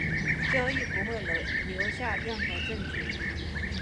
交易不会留下任何证据。